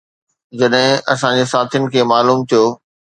جڏهن اسان جي ساٿين کي معلوم ٿيو